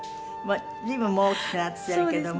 随分もう大きくなっているけども。